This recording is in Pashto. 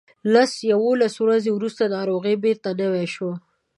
لس یوولس ورځې وروسته ناروغي بیرته نوې شوه.